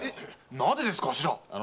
なぜです？